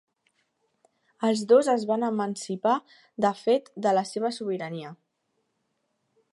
Els dos es van emancipar de fet de la seva sobirania.